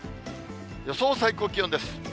予想最高気温です。